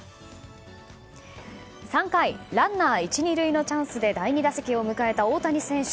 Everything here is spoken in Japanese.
３回ランナー１、２塁のチャンスで第２打席を迎えた大谷選手。